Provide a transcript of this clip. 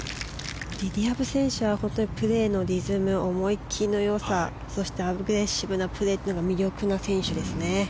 リリア・ブ選手はプレーのリズム思い切りの良さそしてアグレッシブなプレーが魅力の選手ですね。